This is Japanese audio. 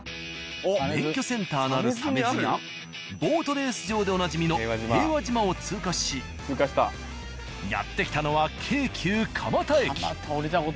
免許センターのある鮫洲やボートレース場でおなじみの平和島を通過しやって来たのは京急蒲田駅。